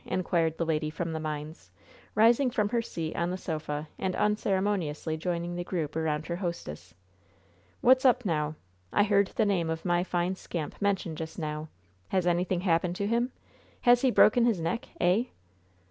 inquired the lady from the mines, rising from her seat on the sofa and unceremoniously joining the group around her hostess. "What's up now? I heard the name of my fine scamp mentioned just now! Has anything happened to him? Has he broken his neck, eh?"